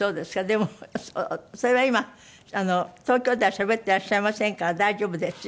でもそれは今東京ではしゃべってらっしゃいませんから大丈夫ですよ。